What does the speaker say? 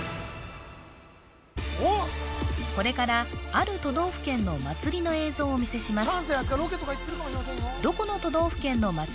これからある都道府県の祭りの映像をお見せします